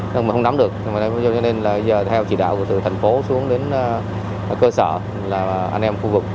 mình không nắm được cho nên giờ theo chỉ đạo của từ thành phố xuống đến cơ sở là anh em khu vực